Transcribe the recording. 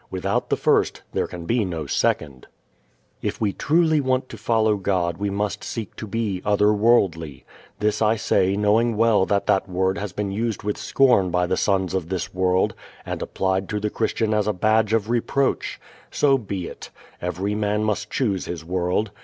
Without the first there can be no second. If we truly want to follow God we must seek to be other worldly. This I say knowing well that that word has been used with scorn by the sons of this world and applied to the Christian as a badge of reproach. So be it. Every man must choose his world.